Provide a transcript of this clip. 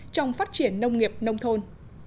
trong phát triển nông nghiệp nông thôn